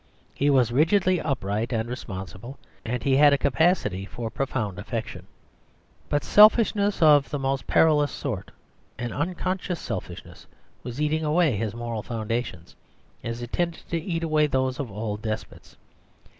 He was rigidly upright and responsible, and he had a capacity for profound affection. But selfishness of the most perilous sort, an unconscious selfishness, was eating away his moral foundations, as it tends to eat away those of all despots.